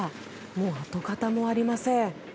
もう跡形もありません。